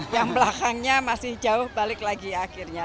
yang belakangnya masih jauh balik lagi akhirnya